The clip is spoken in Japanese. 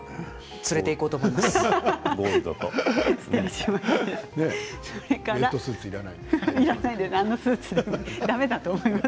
連れて行こうと思います。